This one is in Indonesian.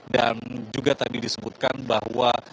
dan juga tadi disebutkan bahwa